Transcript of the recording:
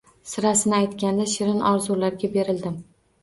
Sirasini aytganda, shirin orzularga berildim